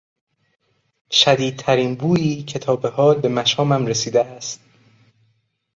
شدیدترین بویی که تابحال به مشامم رسیده است